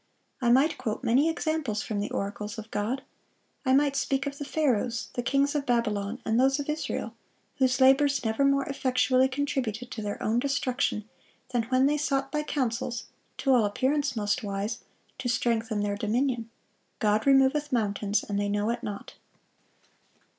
I might quote many examples from the oracles of God. I might speak of the Pharaohs, the kings of Babylon, and those of Israel, whose labors never more effectually contributed to their own destruction than when they sought by counsels, to all appearance most wise, to strengthen their dominion. 'God removeth mountains, and they know it not.